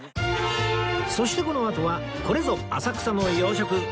そしてこのあとはこれぞ浅草の洋食！